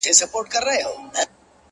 دا به نو حتمي وي کرامت د نوي کال-